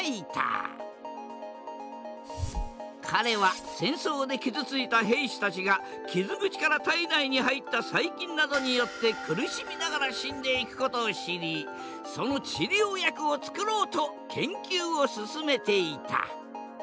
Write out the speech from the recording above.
彼は戦争で傷ついた兵士たちが傷口から体内に入った細菌などによって苦しみながら死んでいくことを知りその治療薬をつくろうと研究を進めていた。